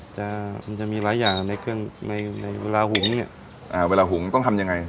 จะมีหลายอย่างในเครื่องในในเวลาหุงเนี่ยเวลาหุงต้องทำยังไง